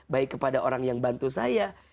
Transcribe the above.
baik kepada orang yang bantu saya